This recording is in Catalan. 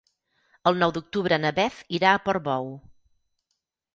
El nou d'octubre na Beth irà a Portbou.